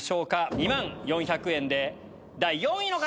２万４００円で第４位の方！